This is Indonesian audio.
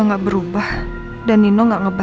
nggak berubah dan